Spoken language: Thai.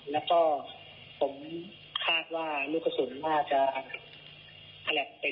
แล้วก็ผมคาดว่าลูกสุดน่าจะไปโดนเด็กครับ